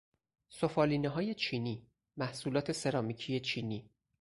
سفالینههای چینی، محصولات سرامیک چینی